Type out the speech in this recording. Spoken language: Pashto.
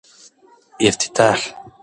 افتتاح